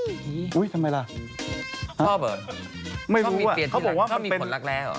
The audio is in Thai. พอบเหรอเพียดที่หลังมีผลรักแลเหรอไม่รู้ว่ะเขาบอกว่าเป็น